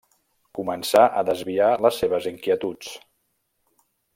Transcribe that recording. Començà a desviar les seves inquietuds.